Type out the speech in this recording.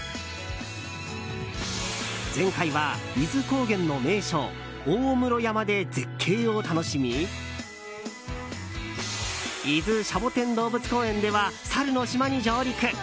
前回は伊豆高原の名所大室山で絶景を楽しみ伊豆シャボテン動物公園ではサルの島に上陸。